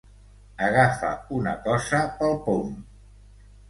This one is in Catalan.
Agafa una cosa pel pom.